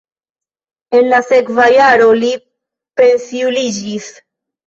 En la sekva jaro li pensiuliĝis.